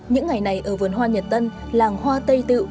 những ngày này ở vườn hoa nhật tân làng hoa tây tự